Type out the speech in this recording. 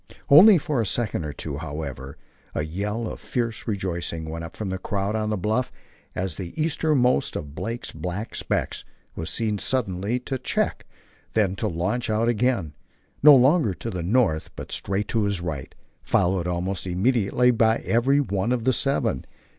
Only for a second or two, however. A yell of fierce rejoicing went up from the crowd on the bluff as the easternmost of Blake's black specks was seen suddenly to check, then to launch out again, no longer to the north, but straight to his right, followed almost immediately by every one of the seven.